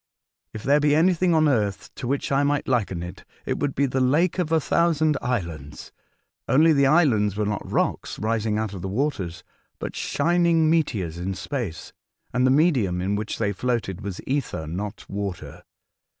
If there be anything on earth to which I might liken it, it would be the Lake of a Thousand Islands, only the islands were not rocks rising out of the waters, but shining meteors in space, and the medium in which they floated was ether, not water.